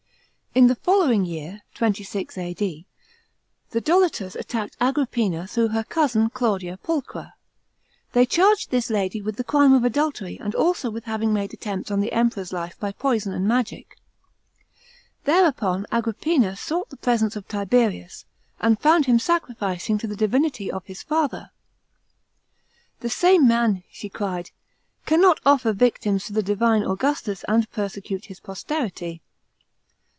In the following year (26 A.D.) the debtors attacked Agrippina through her cousin Claudia Pulchra.* They charged this lady with the crime of adultery and also with having made attempts on the Emperor's life by poison and magic. Thereupon Agrippina sought the presence of Tiberius, and fonnd him sacrificing to the divinity of his father. " The same man," she cried, " cannot offer victims to the divine Augustus, and persecute his posterity."